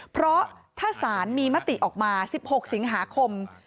เพราะถ้าสารมีมติออกมา๑๖สิงหาคม